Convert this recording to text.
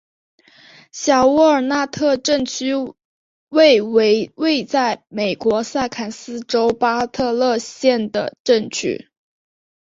小沃尔纳特镇区为位在美国堪萨斯州巴特勒县的镇区。